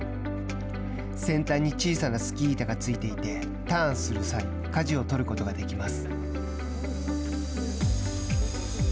先端に小さなスキー板がついていてターンする際かじをとることができます。